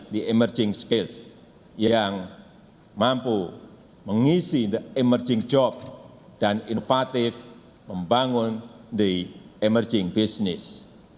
di emerging skate yang mampu mengisi the emerging job dan inovatif membangun the emerging business